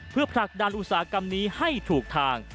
เพื่อผลักดันอุตสาหกรรมนี้ให้ถูกทาง